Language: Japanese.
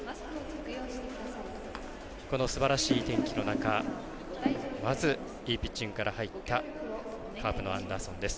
すばらしい天気の中まず、いいピッチングから入ったカープのアンダーソン。